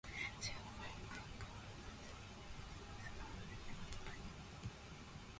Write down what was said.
She often writes in collaboration with her husband, Alexei Panshin.